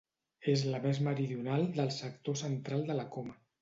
És la més meridional del sector central de la Coma.